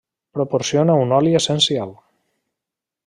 Proporciona un oli essencial.